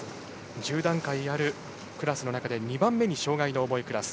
１０段階あるクラスの中で２番目に障がいの重いクラス。